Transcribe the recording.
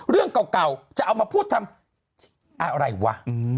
เรื่องเก่าจะเอามาพูดทำอะไรวะ